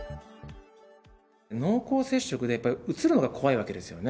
濃厚接触でうつるのが怖いわけですよね。